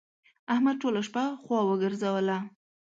احمد ټوله شپه خوا وګرځوله.